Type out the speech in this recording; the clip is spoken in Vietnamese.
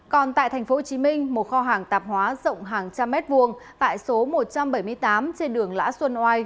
còn tại tp hcm một kho hàng tạp hóa rộng hàng trăm mét vuông tại số một trăm bảy mươi tám trên đường lã xuân oai